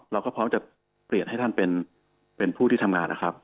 เราก็พร้อมจะเปลี่ยนให้ท่านเป็นผู้ที่ทำงานนะครับ